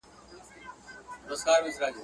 لا هم له پاڼو زرغونه پاته ده.